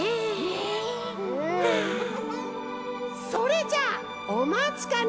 それじゃおまちかね